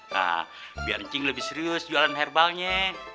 kak biar cing lebih serius jualan herbalnya